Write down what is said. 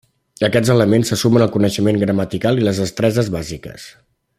Aquests elements se sumen al coneixement gramatical i les destreses bàsiques.